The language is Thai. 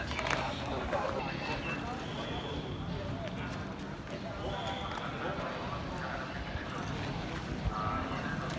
อันที่สุดท้ายก็คือภาษาอันที่สุดท้าย